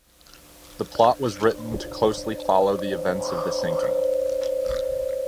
The plot was written to closely follow the events of the sinking.